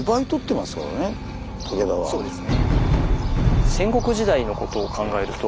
そうですね。